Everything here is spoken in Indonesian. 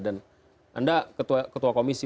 dan anda ketua komisi